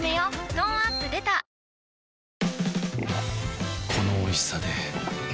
トーンアップ出たこのおいしさで